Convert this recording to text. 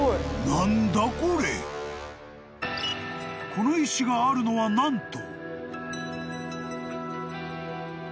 ［この石があるのは何と］